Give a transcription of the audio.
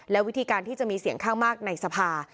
และวิธีการที่จะมีเสียงข้างมากในสภา